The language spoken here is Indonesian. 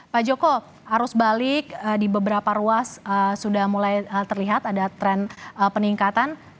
pak joko arus balik di beberapa ruas sudah mulai terlihat ada tren peningkatan